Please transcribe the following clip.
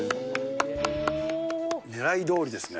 狙いどおりですね。